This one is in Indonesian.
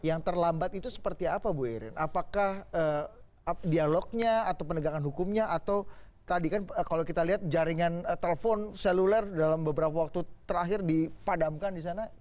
yang terlambat itu seperti apa bu irin apakah dialognya atau penegakan hukumnya atau tadi kan kalau kita lihat jaringan telepon seluler dalam beberapa waktu terakhir dipadamkan di sana